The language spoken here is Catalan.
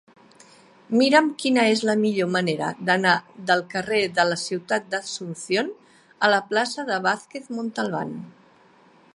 Mira'm quina és la millor manera d'anar del carrer de la Ciutat d'Asunción a la plaça de Vázquez Montalbán.